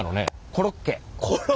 コロッケ。